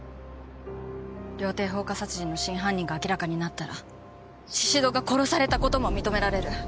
料亭放火殺人の真犯人が明らかになったら宍戸が殺された事も認められる。